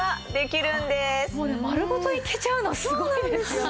丸ごといけちゃうのすごいですよね。